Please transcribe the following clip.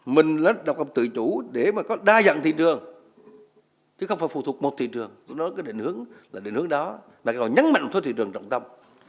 mình là động lập tự chủ để mà có đa dạng thị trường chứ không phải phụ thuộc một thị trường chúng nó cứ định hướng là định hướng đó mà còn nhấn mạnh một số thị trường trọng tâm